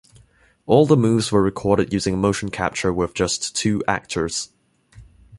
All the moves were recorded using motion capture with just two actors.